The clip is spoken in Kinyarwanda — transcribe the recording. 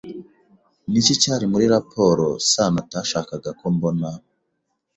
Ni iki cyari muri raporo Sano atashakaga ko mbona?